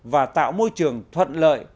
và tạo môi trường thuận lợi